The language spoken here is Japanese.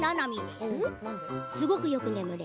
すごくよく眠れ。